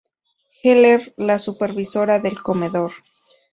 Heller, la supervisora del comedor.